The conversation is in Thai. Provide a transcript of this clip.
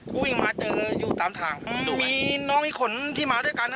ก็วิ่งมาเจออยู่ตามทางมีน้องอีกคนที่มาด้วยกัน